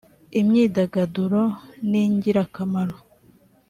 imyidagaduro ningirakamaro